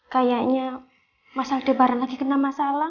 kayaknya masyarakat di barang lagi kena masalah